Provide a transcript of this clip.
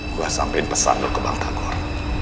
gue sampein pesan untuk ke bang tagor